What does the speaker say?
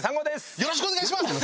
よろしくお願いします！